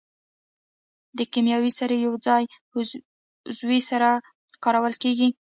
د کیمیاوي سرې پر ځای عضوي سره کارول کیږي.